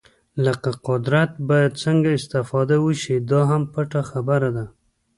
له قدرته باید څنګه استفاده وشي دا هم پټه خبره ده.